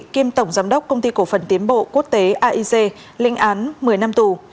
kiêm tổng giám đốc công ty cổ phần tiến bộ quốc tế aic linh án một mươi năm tù